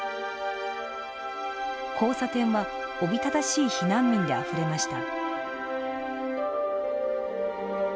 交差点はおびただしい避難民であふれました。